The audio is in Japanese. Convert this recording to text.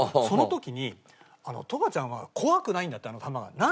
その時にトカちゃんは怖くないんだってあの球が。